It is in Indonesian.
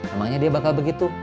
emangnya dia bakal begitu